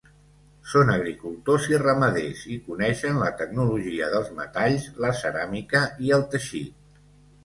Són agricultors i ramaders i coneixen la tecnologia dels metalls, la ceràmica i el teixit.